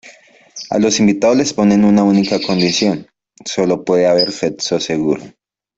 A los invitados les ponen una única condición: solo puede haber sexo seguro.